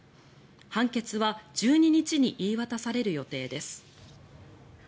判決は１２日に言い渡される予定です。